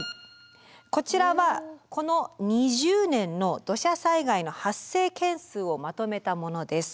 こちらはこの２０年の土砂災害の発生件数をまとめたものです。